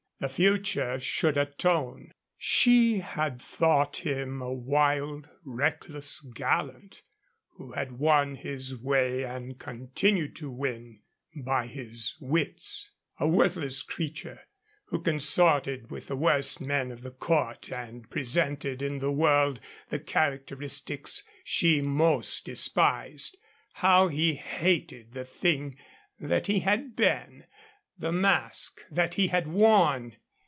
The future should atone. She had thought him a wild, reckless gallant, who had won his way and continued to win by his wits a worthless creature who consorted with the worst men of the court and presented in the world the characteristics she most despised. How he hated the thing that he had been, the mask that he had worn!